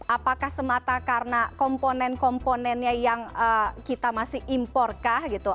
apakah semata karena komponen komponennya yang kita masih imporkah gitu